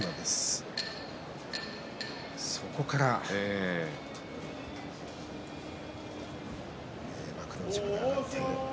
そこから幕内まで上がってきました。